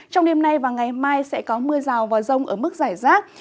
trong đêm nay và ngày mai sẽ có mưa rào và rông ở mức giải rác